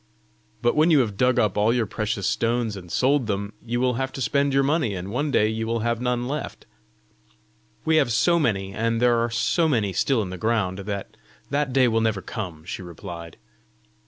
"But when you have dug up all your precious stones and sold them, you will have to spend your money, and one day you will have none left!" "We have so many, and there are so many still in the ground, that that day will never come," she replied.